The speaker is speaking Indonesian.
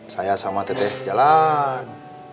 saya sama teteh jalan